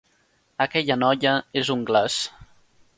Aquella noia és un glaç.